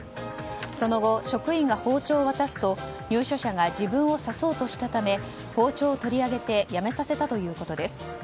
その後、職員が包丁を渡すと入所者が自分を刺そうとしたため包丁を取り上げてやめさせたということです。